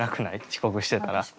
遅刻してたら。